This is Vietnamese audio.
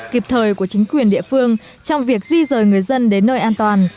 kịp thời của chính quyền địa phương trong việc di rời người dân đến nơi an toàn